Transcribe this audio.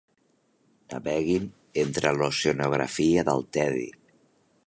Naveguin entre l'oceanografia del tedi.